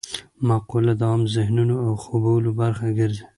مقوله د عام ذهنونو او خولو برخه ګرځي